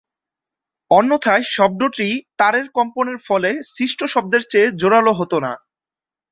অন্যথায় শব্দটি তারের কম্পনের ফলে সৃষ্ট শব্দের চেয়ে জোরালো হতো না।